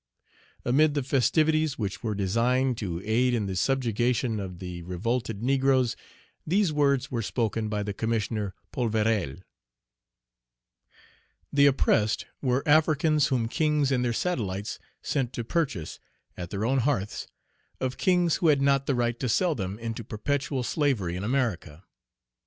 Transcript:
Amid the festivities which were designed to aid in the subjugation of the revolted negroes, these words were spoken by the Commissioner Polverel: "The oppressed were Africans whom kings and their satellites sent to purchase, at their own hearths, of kings who had not the right to sell them into perpetual slavery in America.